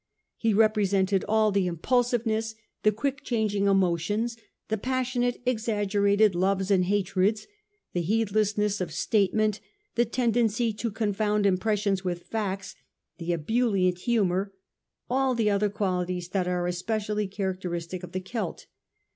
He repre sented all the impulsiveness, the quick changing emo tions, the passionate, exaggerated loves and hatreds, the heedlessness of statement, the tendency to con found impressions with facts, the ebullient humour — all the other qualities that are especially characteristic of the Celt.